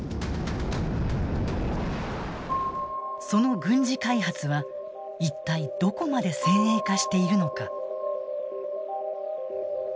その軍事開発は一体どこまで先鋭化しているのか。